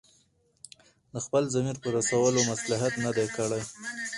د خپل ضمیر په رسولو مصلحت نه دی کړی.